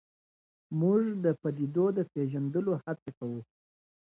موږ د پدیدو د پېژندلو هڅه کوو.